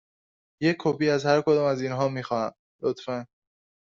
یک کپی از هر کدام از اینها می خواهم، لطفاً.